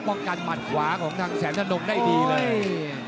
ป้องกันหมัดขวาของทางแสนทะนงได้ดีเลย